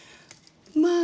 まあ。